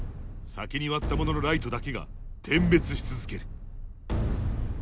先に割った者のライトだけが点滅し続ける。